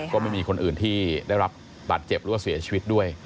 ก็ไม่มีคนอื่นที่ได้รับบาดเจ็บหรือว่าเสียชีวิตด้วย